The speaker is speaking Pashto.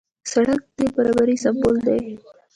سړک د برابرۍ سمبول دی.